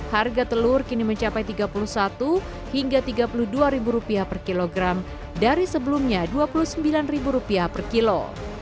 harga telur kini mencapai rp tiga puluh satu hingga rp tiga puluh dua per kilogram dari sebelumnya rp dua puluh sembilan per kilo